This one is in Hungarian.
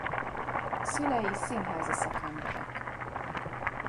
Szülei színházi szakemberek.